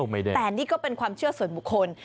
แต่นี่ก็เป็นความเชื่อส่วนบุคคล